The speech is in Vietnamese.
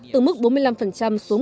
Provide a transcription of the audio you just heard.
từ mức bốn mươi năm xuống một mươi năm